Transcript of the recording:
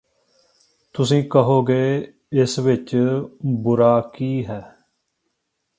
ਤੁਸੀਂ ਕਹੋਗੇ ਇਸ ਵਿਚ ਬੁਰਾ ਕੀ ਹੈ